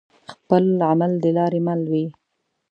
خپل عمل د لاري مل وي